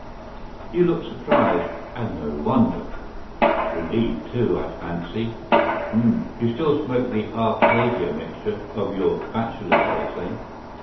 "You look surprised, and no wonder! Relieved, too, I fancy! Hum! You still smoke the Arcadia mixture of your bachelor days then!